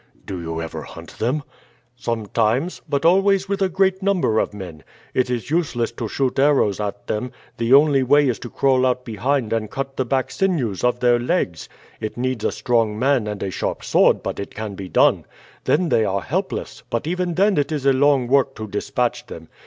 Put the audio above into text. "Do you ever hunt them?" "Sometimes; but always with a great number of men. It is useless to shoot arrows at them; the only way is to crawl out behind and cut the back sinews of their legs. It needs a strong man and a sharp sword, but it can be done. Then they are helpless, but even then it is a long work to dispatch them.